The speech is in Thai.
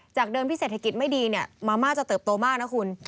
จากเดินครบในพิเศษฐกิจไม่ดีเนี่ยมาม่าจะเติบโตมากนะคุณ